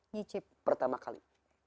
nyicip pertama kali